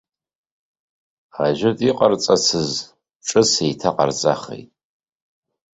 Ажәытә иҟарҵацыз ҿыц еиҭаҟарҵахит!